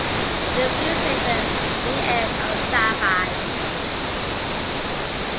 The series later reaired on Syfy.